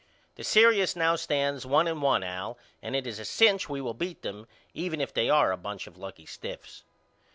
The serious now stands one and one Al and it is a cinch we will beat them even if they are a bunch of lucky stiffs.